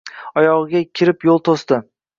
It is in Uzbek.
Oyog‘iga kirib yo‘l to‘sdi.